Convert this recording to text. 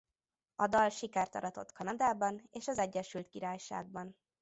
A dal sikert aratott Kanadában és az Egyesült Királyságban.